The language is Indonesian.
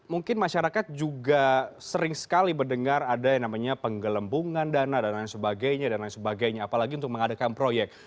mungkin masyarakat juga sering sekali mendengar ada yang namanya penggelembungan dana dan lain sebagainya dan lain sebagainya apalagi untuk mengadakan proyek